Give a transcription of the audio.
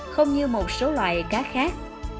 không như một số loài cá khác